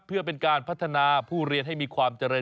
เพื่อเป็นการพัฒนาผู้เรียนให้มีความเจริญ